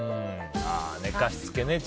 寝かしつけね。